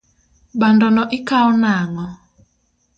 Bando no ikao nang'o?